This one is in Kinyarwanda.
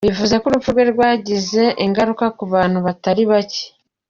Bivuze ko urupfu rwe rwagize ingaruko ku bantu batari bake.